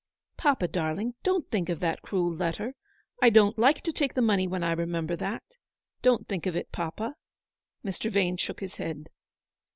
" Papa, darling, don't think of that cruel letter. I don't like to take the money when I remember that. Don't think of it, papa." Mr. Vane shook his head.